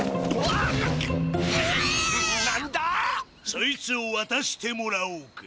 ・そいつをわたしてもらおうか。